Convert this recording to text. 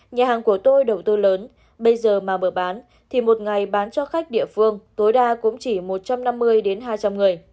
nhà hàng của tôi đầu tư lớn bây giờ mà mở bán thì một ngày bán cho khách địa phương tối đa cũng chỉ một trăm năm mươi đến hai trăm linh người